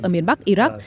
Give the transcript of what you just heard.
ở miền bắc iraq